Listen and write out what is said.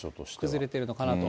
崩れてるのかなと。